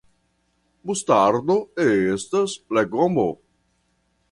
Mustardo estas legomo.